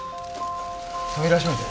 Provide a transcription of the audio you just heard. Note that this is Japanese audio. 扉閉めて。